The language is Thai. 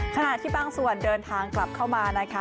ขณะที่บางส่วนเดินทางกลับเข้ามานะคะ